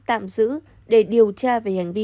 tạm giữ để điều tra về hành vi